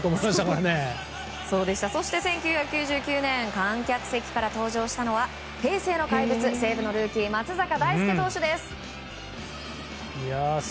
そして１９９９年観客席から登場したのは平成の怪物、松坂大輔投手です。